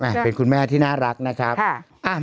เป็นคุณแม่ที่น่ารักนะครับ